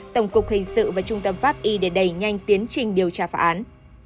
tổng cục hình sự và trung tâm pháp y để đẩy nhanh tiến trình điều tra phá án